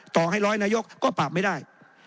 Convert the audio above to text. ต่อให้ร้อยนายกก็ปราบไม่ได้